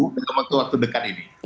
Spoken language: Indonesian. ketemu waktu dekat ini